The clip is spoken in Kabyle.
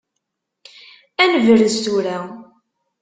Ad nebrez tura.